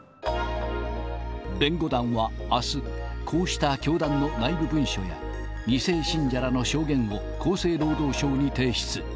弁護団はあす、こうした教団の内部文書や、２世信者らの証言を厚生労働省に提出。